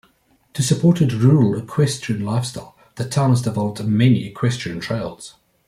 To support its rural-equestrian lifestyle, the town has developed many equestrian trails.